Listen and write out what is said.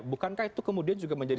bukankah itu kemudian juga menjadi